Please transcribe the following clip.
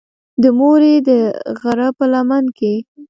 د مورې د غرۀ پۀ لمن کښې